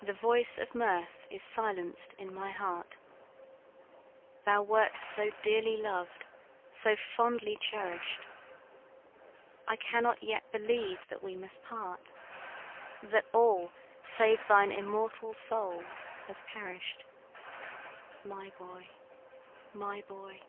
"The voice of mirth is silenced in my heart, Thou wert so dearly loved so fondly cherish'd; I cannot yet believe that we must part, That all, save thine immortal soul, has perish'd My boy my boy!